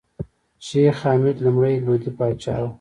شېخ حمید لومړی لودي پاچا وو.